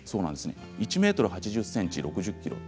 １ｍ８０ｃｍ、体重６０ｋｇ。